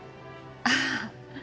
ああ。